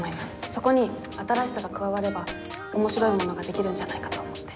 そこに新しさが加われば面白いものができるんじゃないかと思って。